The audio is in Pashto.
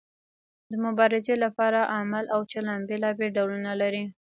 د مبارزې لپاره عمل او چلند بیلابیل ډولونه لري.